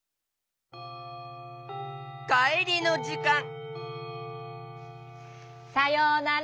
かえりのじかんさようなら。